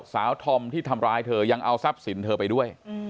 ธอมที่ทำร้ายเธอยังเอาทรัพย์สินเธอไปด้วย